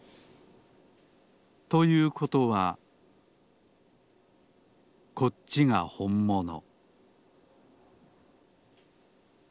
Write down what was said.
ということはこっちがほんもの